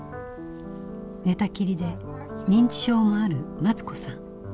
寝たきりで認知症もあるマツ子さん。